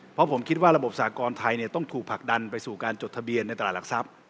เพราะผมคิดว่าระบบสากรไทยต้องถูกผลักดันไปสู่การจดทะเบียนในตลาดหลักทรัพย์